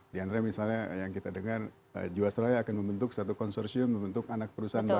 diantara misalnya yang kita dengar jiwa seraya akan membentuk satu konsorsium membentuk anak perusahaan baru